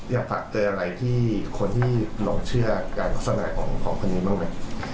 อยากฝากเตือนอะไรที่คนที่หลงเชื่อการโฆษณาของคนนี้บ้างไหม